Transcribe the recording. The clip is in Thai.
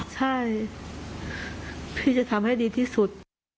ใช่พี่จะทำให้ดีที่สุด